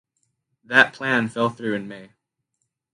That plan fell through in May.